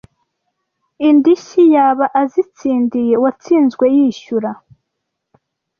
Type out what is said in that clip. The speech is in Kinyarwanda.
indishyi yaba azitsindiye Uwatsinzwe yishyura